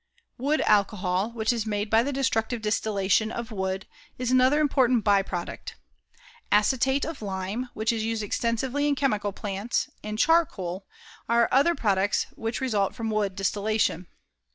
Wood alcohol, which is made by the destructive distillation of wood, is another important by product. Acetate of lime, which is used extensively in chemical plants, and charcoal, are other products which result from wood distillation.